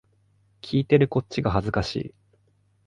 聞いてるこっちが恥ずかしい